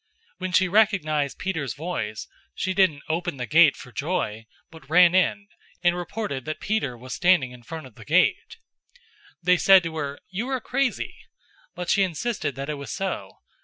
012:014 When she recognized Peter's voice, she didn't open the gate for joy, but ran in, and reported that Peter was standing in front of the gate. 012:015 They said to her, "You are crazy!" But she insisted that it was so.